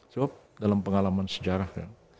sebab dalam pengalaman sejarah